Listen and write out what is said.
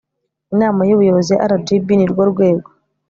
Inama y Ubuyobozi ya RGB ni rwo rwego